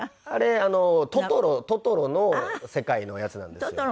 あれ『トトロ』の世界のやつなんですよ。